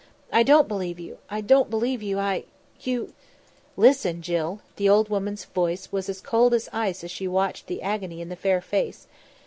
"I don't believe you I don't believe you I you " "Listen, Jill." The old woman's voice was as cold as ice as she watched the agony in the fair face.